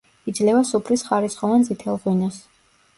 იძლევა სუფრის ხარისხოვან წითელ ღვინოს.